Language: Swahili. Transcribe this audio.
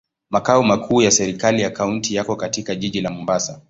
Makao makuu ya serikali ya kaunti yako katika jiji la Mombasa.